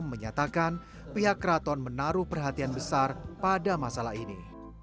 menyatakan pihak keraton menaruh perhatian besar pada masalah ini